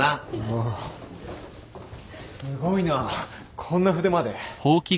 うわっすごいなこんな筆まで。